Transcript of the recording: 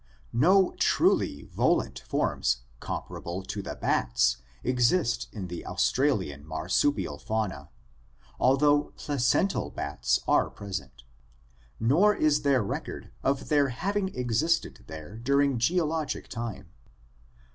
No truly volant forms comparable to the bats exist in the Aus tralian marsupial fauna, although placental bats are present, nor is there record of their having existed there during geologic time.